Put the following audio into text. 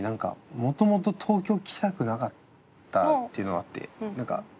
もともと東京来たくなかったっていうのがあって。